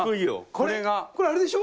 これこれあれでしょ？